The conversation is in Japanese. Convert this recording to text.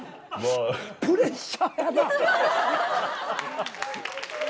プレッシャーやな。